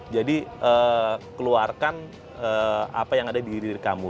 jadi keluarkan apa yang ada di diri kamu